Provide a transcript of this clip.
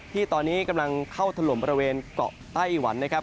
ที่ตอนนี้กำลังเข้าถล่มบริเวณเกาะไต้หวันนะครับ